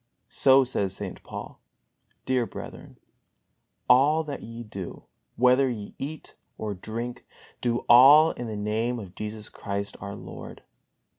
So says St. Paul: "Dear brethren, all that ye do, whether ye eat or drink, do all in the Name of Jesus Christ, our Lord."